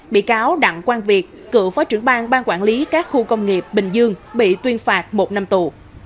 bị cáo đặng quang việt cựu phó trưởng bang ban quản lý các khu công nghiệp bình dương bị tuyên phạt một năm tù